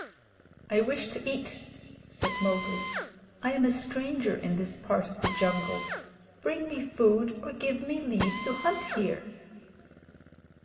"I wish to eat," said Mowgli. "I am a stranger in this part of the jungle. Bring me food, or give me leave to hunt here."